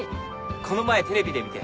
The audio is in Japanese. この前テレビで見て。